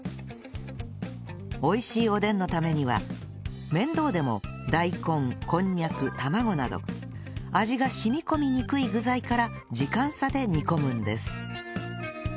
美味しいおでんのためには面倒でも大根こんにゃく卵など味が染み込みにくい具材から時間差で煮込むんです